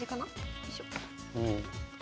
よいしょ。